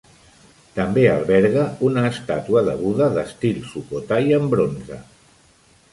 També alberga una estàtua de Buda d'estil Sukhothai en bronze.